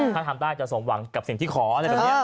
ถ้าทำได้จะสมหวังกับสิ่งที่ขออะไรแบบนี้